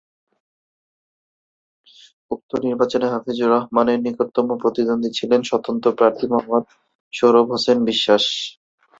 উক্ত নির্বাচনে হাফিজুর রহমানের নিকটতম প্রতিদ্বন্দী ছিলেন স্বতন্ত্র প্রার্থী মোহাম্মদ সৌরভ হোসাইন বিশ্বাস।